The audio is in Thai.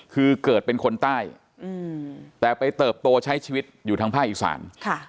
คือเกิดเป็นคนใต้แต่ไปเติบโตใช้ชีวิตอยู่ทางภาคอีสาน